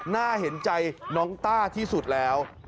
น่าเห็นใจน้องต้าที่สุดแล้ว